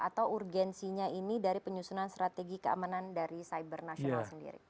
atau urgensinya ini dari penyusunan strategi keamanan dari cyber nasional sendiri